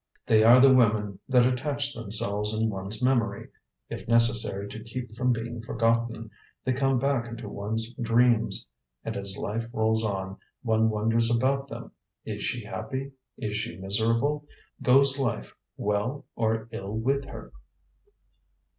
"They are the women that attach themselves in one's memory. If necessary to keep from being forgotten, they come back into one's dreams. And as life rolls on, one wonders about them, 'Is she happy? Is she miserable? Goes life well or ill with her?'"